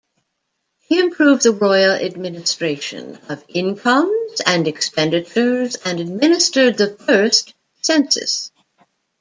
He improved the royal administration, of incomes and expenditures, and administered the first census.